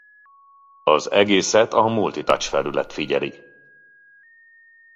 Az egészet a multi-touch felülete figyeli.